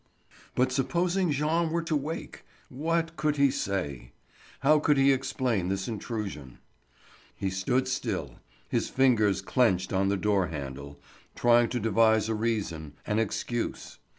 But supposing Jean were to wake, what could he say? How could he explain this intrusion? He stood still, his fingers clinched on the door handle, trying to devise a reason, an excuse.